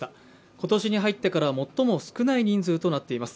今年に入ってから最も少ない人数となっています。